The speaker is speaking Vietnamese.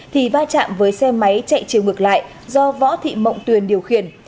thì va chạm với xe máy chạy chiều ngược lại do võ thị mộng tuyền điều khiển